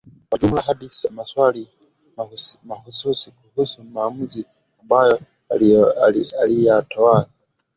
kwa ujumla hadi maswali mahususi kuhusu maamuzi ambayo aliyatoa